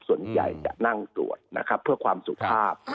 ส่วนใหญ่จะนั่งตรวจนะครับเพื่อความสุภาพ